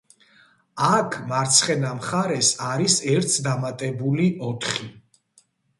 აქ, მარცხენა მხარეს არის ერთს დამატებული ოთხი.